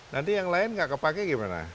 nanti yang lain nggak kepake gimana